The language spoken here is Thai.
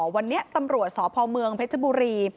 วันนี้ตำรวจสพเมืองเพชรบุรี